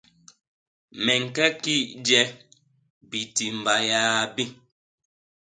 Me ñke ki i je, bitiimba yaa bi.